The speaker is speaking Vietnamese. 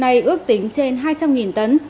ngày ước tính trên hai trăm linh tấn